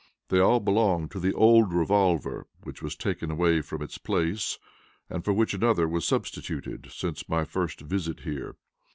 "They all belong to the old revolver which was taken away from its place and for which another was substituted since my first visit here.